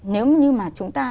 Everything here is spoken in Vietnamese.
nếu như mà chúng ta